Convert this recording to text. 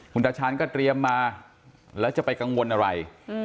คุณตาชาญก็เตรียมมาแล้วจะไปกังวลอะไร